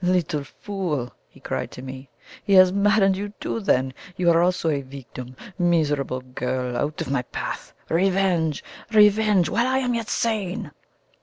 "Little fool!" he cried to me; "he has maddened you too, then! You are also a victim! Miserable girl! out of my path! Revenge revenge! while I am yet sane!"